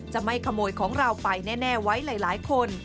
จะไม่ขโมยของเราไปแน่ไว้หลายคน